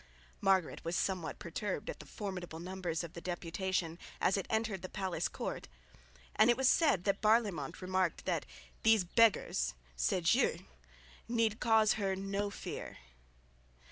Margaret was somewhat perturbed at the formidable numbers of the deputation, as it entered the palace court, and it was said that Barlaymont remarked that "these beggars" (ces gueux) need cause her no fear.